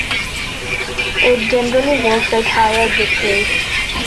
It generally works at higher bitrates.